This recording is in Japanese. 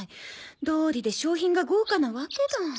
どうりで商品が豪華なわけだ。